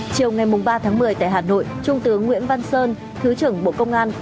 chiều ngày ba tháng một mươi tại hà nội trung tướng nguyễn văn sơn thứ trưởng bộ công an